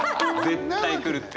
絶対来るって！